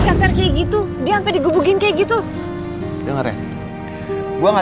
ngapain sih kasar kayak gitu dia sampai digugurin kayak gitu dengerin gua nggak